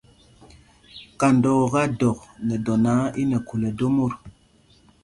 Kándɔɔká dɔk nɛ dɔ náǎ, í nɛ khūl ɛdó mot.